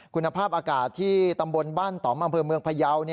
คุณภาพอากาศที่ตำบลบ้านต่อมอำเภอเมืองพยาว